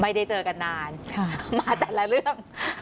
ไม่ได้เจอกันนานมาแต่ละเรื่อง